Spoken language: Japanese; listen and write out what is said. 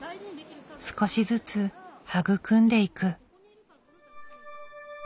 少しずつ育んでいく。